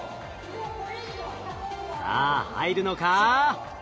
さあ入るのか？